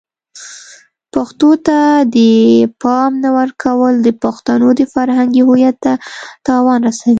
پښتو ته د پام نه ورکول د پښتنو د فرهنګی هویت ته تاوان رسوي.